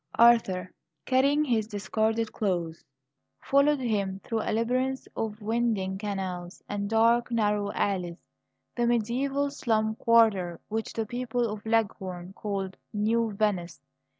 Arthur, carrying his discarded clothes, followed him through a labyrinth of winding canals and dark narrow alleys; the mediaeval slum quarter which the people of Leghorn call "New Venice."